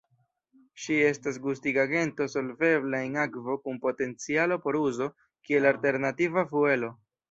Ĝi estas gustigagento solvebla en akvo kun potencialo por uzo kiel alternativa fuelo.